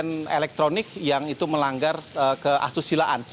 ktp elektronik yang itu melanggar keasusilaan